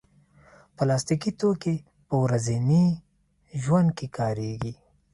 پلاستيکي توکي په ورځني ژوند کې کارېږي.